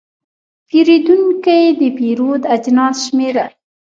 پیرودونکی د پیرود اجناس شمېرل.